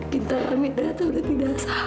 kita aminah sudah tidak sama